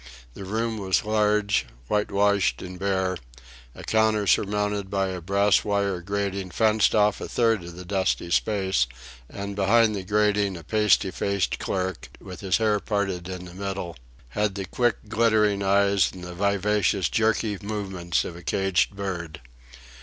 The room was large, white washed, and bare; a counter surmounted by a brass wire grating fenced off a third of the dusty space, and behind the grating a pasty faced clerk, with his hair parted in the middle, had the quick, glittering eyes and the vivacious, jerky movements of a caged bird.